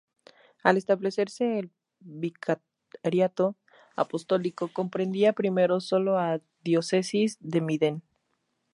Al establecerse el vicariato apostólico comprendía primero solo a la diócesis de Minden.